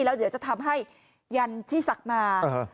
แล้วเดี๋ยวจะทำให้ยันที่ศักดิ์มา